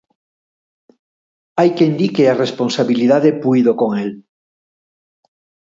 Hai quen di que a responsabilidade puido con el.